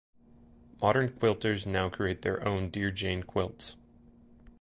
Modern quilters now create their own Dear Jane quilts.